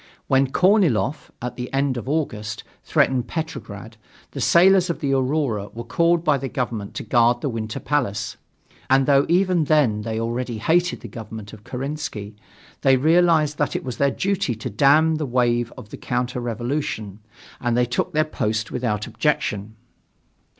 When Korniloff, at the end of August, threatened Petrograd the sailors of the Aurora were called by the government to guard the Winter Palace, and though even then they already hated the government of Kerensky, they realized that it was their duty to dam the wave of the counter revolution, and they took their post without objection.